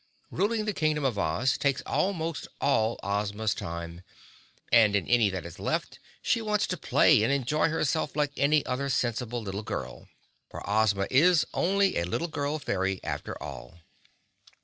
Ruling the Kingdom of Oz takes almost all of Ozma's time and in any that is left she wants to play and enjoy herself like any other sensible little girl. For Ozma is only a little girl fairy after all.